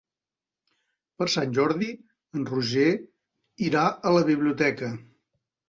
Per Sant Jordi en Roger irà a la biblioteca.